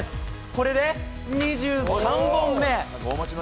これで２３本目。